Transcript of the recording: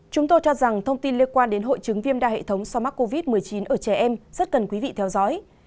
chúng tôi cho rằng thông tin liên quan đến hội chứng viêm đa hệ thống sau mắc covid một mươi chín ở trẻ em rất cần quý vị theo dõi